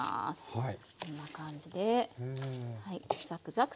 はい。